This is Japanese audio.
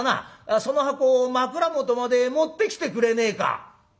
その箱を枕元まで持ってきてくれねえか」。